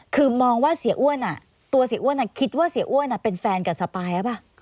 คือมองว่าเสียอ้วนตัวเสียอ้วนคิดว่าเสียอ้วนเป็นแฟนกับสปายหรือเปล่า